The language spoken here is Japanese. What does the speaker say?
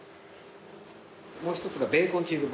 もう１つがベーコンチーズバーガー。